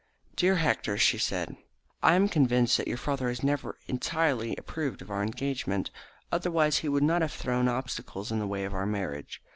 "Dear Hector," she said "I am convinced that your father has never entirely approved of our engagement, otherwise he would not have thrown obstacles in the way of our marriage.